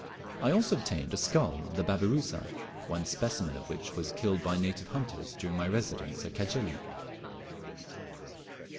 I also obtained a skull of the babirusa, one specimen of which was killed by native hunters during my residence at Cajeli.